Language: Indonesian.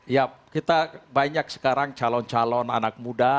ya kita banyak sekarang calon calon anak muda